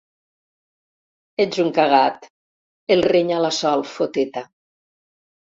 Ets un cagat —el renya la Sol, foteta.